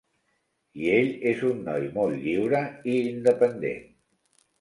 I ell és un noi molt lliure i independent.